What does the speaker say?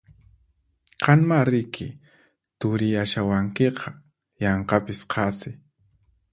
Qanmá riki turiyashawankiqa yanqapis qasi!